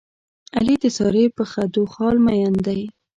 علي د سارې په خدو خال مین دی.